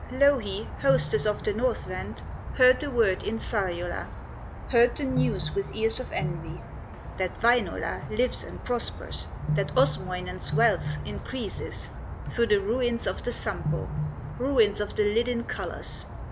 Louhi, hostess of the Northland, Heard the word in Sariola, Heard the news with ears of envy, That Wainola lives and prospers, That Osmoinen's wealth increases, Through the ruins of the Sampo, Ruins of the lid in colors.